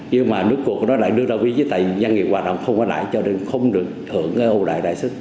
nhưng mà nước cuộc nó lại đưa ra ví chứ tại doanh nghiệp hoạt động không có lãi cho nên không được thưởng ưu đại đại sức